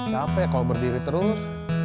capek kok berdiri terus